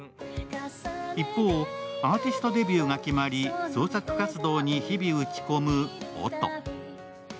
一方、アーティストデビューが決まり、創作活動に日々打ち込む音。